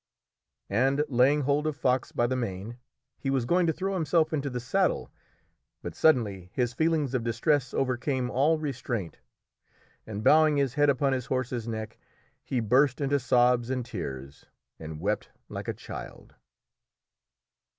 And, laying hold of Fox by the mane, he was going to throw himself into the saddle, but suddenly his feelings of distress overcame all restraint, and bowing his head upon his horse's neck, he burst into sobs and tears, and wept like a child.